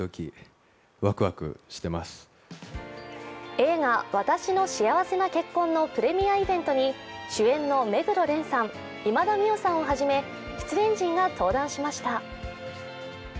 映画「わたしの幸せな結婚」のプレミアイベントに主演の目黒蓮さん、今田美桜さんをはじめ出演陣が登壇しました。